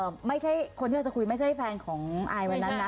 ไม่ใช่คนที่เราจะคุยไม่ใช่แฟนของอายวันนั้นนะ